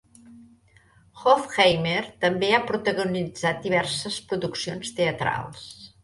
Hofheimer també ha protagonitzat diverses produccions teatrals.